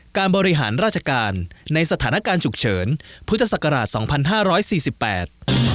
การบริหารราชการในสถานการณ์ฉุกเฉินพุทธศักราชสองพันห้าร้อยสี่สิบแปด